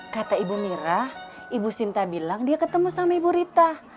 kata ibu mira ibu sinta bilang dia ketemu sama ibu rita